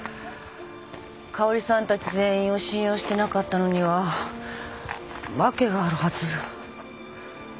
香織さんたち全員を信用してなかったのには訳があるはず。